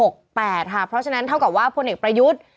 เพราะฉะนั้นเท่ากับว่าพลเอกประยุทธ์